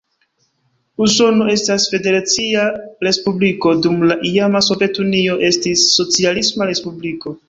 Usono estas federacia respubliko, dum la iama Sovetunio estis socialisma respubliko.